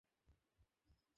বাচ্চা চেহারা, পার্টনার।